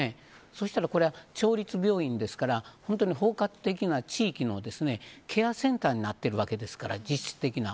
そしたらこれは、町立病院ですから本当に包括的な地域のケアセンターになっているわけですから実質的な。